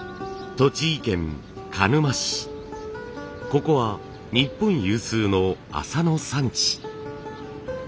ここは日本有数の麻の産地。